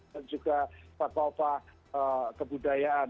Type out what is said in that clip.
dan juga sepatu patu kebudayaan